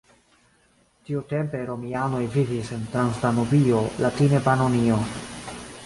Tiutempe romianoj vivis en Transdanubio, latine Panonio.